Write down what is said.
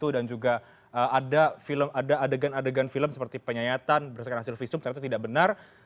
dan juga ada adegan adegan film seperti penyayatan bersekan hasil visum syaratnya tidak benar